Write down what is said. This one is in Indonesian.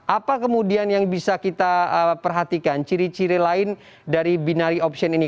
apa kemudian yang bisa kita perhatikan ciri ciri lain dari binari option ini